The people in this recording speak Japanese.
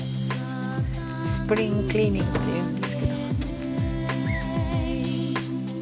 スプリングクリーニングっていうんですけど。